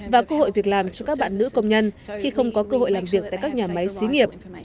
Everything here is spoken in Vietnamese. và cơ hội việc làm cho các bạn nữ công nhân khi không có cơ hội làm việc tại các nhà máy xí nghiệp